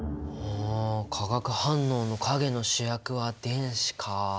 あ化学反応の陰の主役は電子か。